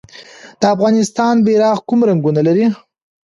د افغانستان بیرغ کوم رنګونه لري؟